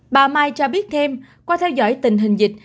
bà mai cho biết thêm qua theo dõi tình hình dịch